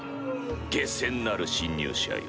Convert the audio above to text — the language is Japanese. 下賤なる侵入者よ